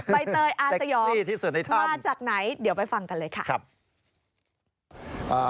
ใบเตยอาสยองมาจากไหนเดี๋ยวไปฟังกันเลยค่ะ